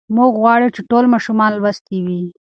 موږ غواړو چې ټول ماشومان لوستي وي.